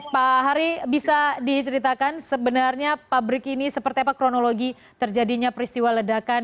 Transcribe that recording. pak hari bisa diceritakan sebenarnya pabrik ini seperti apa kronologi terjadinya peristiwa ledakan